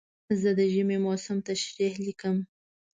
زه د ژمي موسم تشریح لیکم.